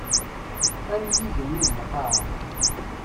Am yigenni d lqaɛa.